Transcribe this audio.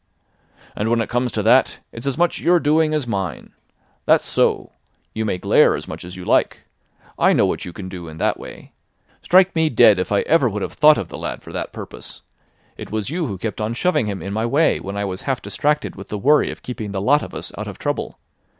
"And when it comes to that, it's as much your doing as mine. That's so. You may glare as much as you like. I know what you can do in that way. Strike me dead if I ever would have thought of the lad for that purpose. It was you who kept on shoving him in my way when I was half distracted with the worry of keeping the lot of us out of trouble.